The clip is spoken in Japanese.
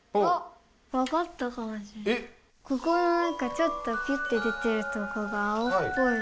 ここのなんかちょっとピュッて出てるとこが青っぽい。